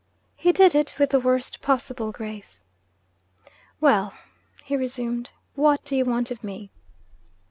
He did it with the worst possible grace. 'Well?' he resumed. 'What do you want of me?'